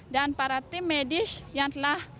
dan para tim medis yang telah